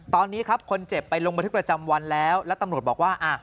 ตอนนี้ครับคนเจ็บไปลงบันทึกประจำวันแล้วแล้วตำรวจบอกว่า